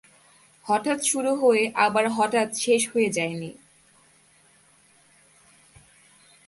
হঠাৎ শুরু হয়ে আবার হঠাৎ শেষ হয়ে যায়নি।